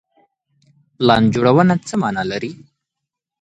پلان جوړونه څه معنا لري؟